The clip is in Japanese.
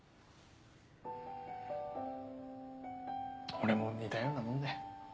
俺も似たようなもんだよ。